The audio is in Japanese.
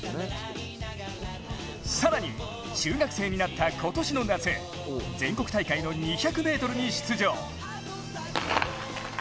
更に中学生になった今年の夏、全国大会の２００ｍに出場。